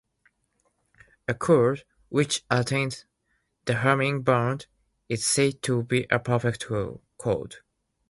A code which attains the Hamming bound is said to be a perfect code.